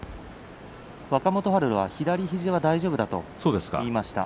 若元春、左肘は大丈夫だと言いました。